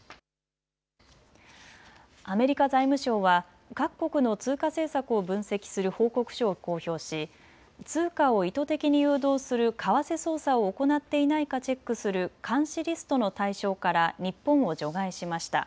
アメリカ財務省は各国の通貨政策を分析する報告書を公表し通貨を意図的に誘導する為替操作を行っていないかチェックする監視リストの対象から日本を除外しました。